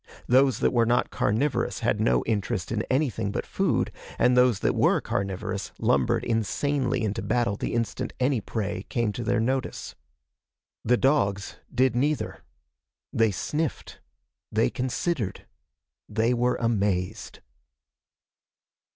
Those that were not carnivorous had no interest in anything but food, and those that were carnivorous lumbered insanely into battle the instant any prey came to their notice. The dogs did neither. They sniffed. They considered. They were amazed.